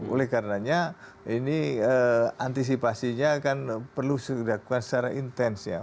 oleh karenanya ini antisipasinya kan perlu dilakukan secara intens ya